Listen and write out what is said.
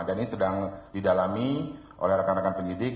dan ini sedang didalami oleh rekan rekan penyidik